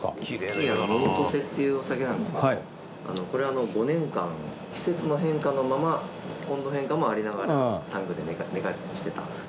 次は百々登勢っていうお酒なんですけどもこれは５年間季節の変化のまま温度変化もありながらタンクで寝かせてた。